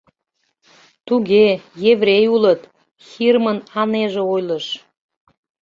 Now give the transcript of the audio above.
Туге, еврей улыт, Хирмын Анэже ойлыш.